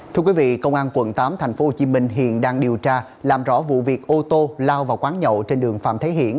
thưa quý vị công an quận tám thành phố hồ chí minh hiện đang điều tra làm rõ vụ việc ô tô lao vào quán nhậu trên đường phạm thế hiển